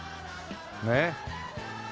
ねっ。